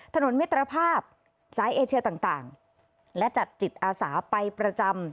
ถนนมิตรภาพสายเอเชียต่างและจัดจิตอาสาไปประจำ